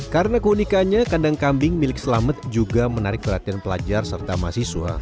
karena keunikannya kandang kambing milik selamet juga menarik perhatian pelajar serta mahasiswa